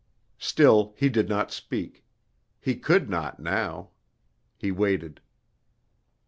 Still he did not speak. He could not, now. He waited.